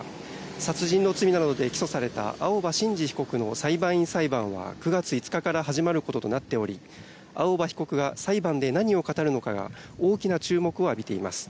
殺人の罪などで起訴された青葉真司被告の裁判員裁判は９月５日から始まることとなっており青葉被告が裁判で何を語るのかが大きな注目を浴びています。